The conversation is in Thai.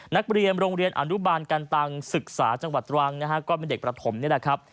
นักเรียนโรงเรียนอนุบาลกันตังศึกษาจังหวัดตรังนะฮะก็เป็นเด็กประถมนี่แหละครับ